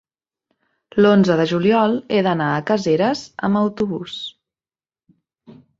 l'onze de juliol he d'anar a Caseres amb autobús.